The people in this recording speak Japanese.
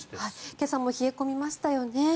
今朝も冷え込みましたよね。